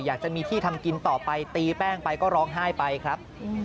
อยากจะมีที่ทำกินต่อไปตีแป้งไปก็ร้องไห้ไปครับ